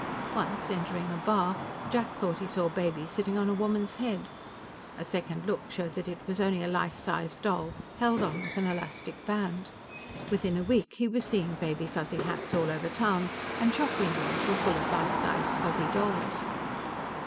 Once, entering a bar, Jack thought he saw Baby sitting on a woman's head. A second look showed that it was only a life sized doll, held on with an elastic band. Within a week, he was seeing Baby Fuzzy hats all over town, and shop windows were full of life sized Fuzzy dolls.